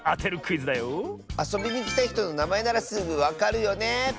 あそびにきたひとのなまえならすぐわかるよね。